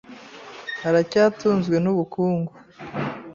Aracyatunzwe nubukungu.